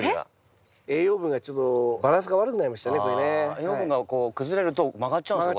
栄養分が崩れると曲がっちゃうんですね。